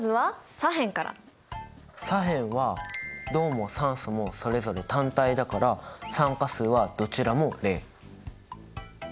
左辺は銅も酸素もそれぞれ単体だから酸化数はどちらも０。